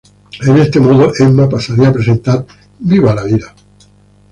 De este modo, Emma pasaría a presentar "Viva la vida".